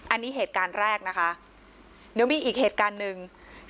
อันนี้เหตุการณ์แรกนะคะเดี๋ยวมีอีกเหตุการณ์หนึ่ง